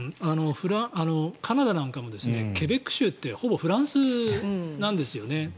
カナダなんかもケベック州ってほぼフランスなんですよね。